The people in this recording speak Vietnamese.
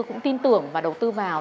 cũng tin tưởng và đầu tư vào